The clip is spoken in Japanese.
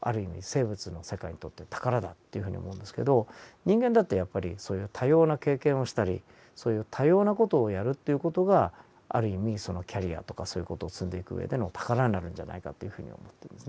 生物の世界にとって宝だというふうに思うんですけど人間だってやっぱり多様な経験をしたりそういう多様な事をやるという事がある意味そのキャリアとかそういう事を積んでいく上での宝になるんじゃないかというふうに思ってるんですね。